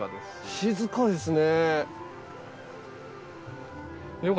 静かですね。